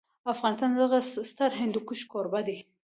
افغانستان د دغه ستر هندوکش کوربه دی.